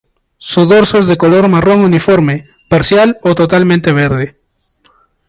Su dorso es de color marrón uniforme, parcial o totalmente verde.